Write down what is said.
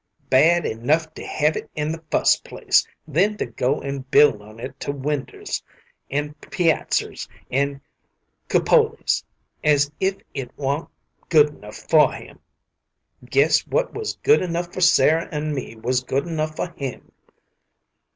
"Bad enough to hev it in the fust place, then to go and build on to it winders and piazzers and cupolys, as if it wa'n't good enough for him. Guess what was good enough for Sarah an' me was good enough for him."